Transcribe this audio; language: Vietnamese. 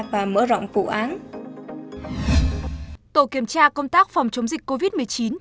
và mở rộng vụ án